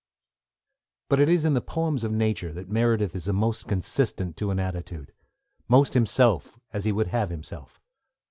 But it is in the poems of nature that Meredith is most consistent to an attitude, most himself as he would have himself.